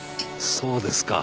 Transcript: そうですか。